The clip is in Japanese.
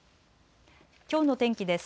きょうの天気です。